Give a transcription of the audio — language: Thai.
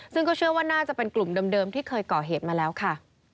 ซึ่งก็เชื่อว่าน่าจะเป็นกลุ่มเดิมที่เคยก่อเหตุมาแล้วค่ะ